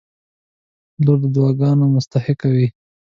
• لور د دعاګانو مستحقه وي.